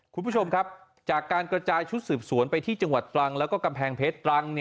คุณผู้ชมครับจากการกระจายชุดสืบสวนไปที่จังหวัดตรังแล้วก็กำแพงเพชรตรัง